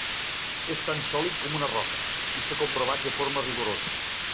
És tan sòlid com una roca i s'ha comprovat de forma rigorosa.